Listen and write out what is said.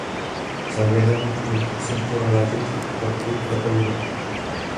Závěrem bych se chtěl vrátit k Paktu pro euro.